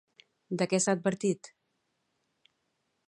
De què s'ha advertit?